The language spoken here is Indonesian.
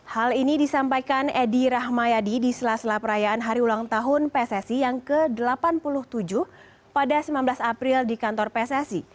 hal ini disampaikan edi rahmayadi di sela sela perayaan hari ulang tahun pssi yang ke delapan puluh tujuh pada sembilan belas april di kantor pssi